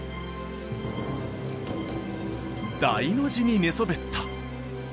大の字に寝そべった。